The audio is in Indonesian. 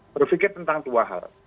berpikir tentang apa